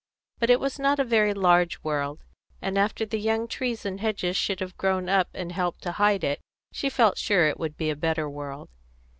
But it was not a very large world, and after the young trees and hedges should have grown up and helped to hide it, she felt sure that it would be a better world.